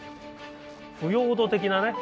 腐葉土的なね。